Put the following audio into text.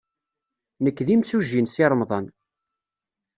Nekk d imsujji n Si Remḍan.